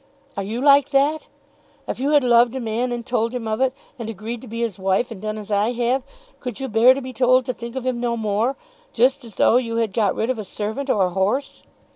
"Are you like that? If you had loved a man and told him of it, and agreed to be his wife and done as I have, could you bear to be told to think of him no more, just as though you had got rid of a servant or a horse?